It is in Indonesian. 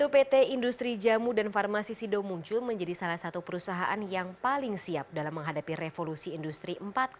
pt industri jamu dan farmasi sido muncul menjadi salah satu perusahaan yang paling siap dalam menghadapi revolusi industri empat